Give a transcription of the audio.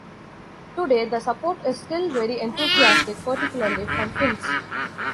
Today, the support is still very enthusiastic, particularly from Finns.